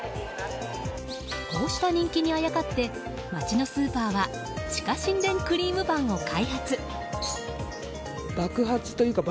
こうした人気にあやかって街のスーパーは地下神殿クリームパンを開発。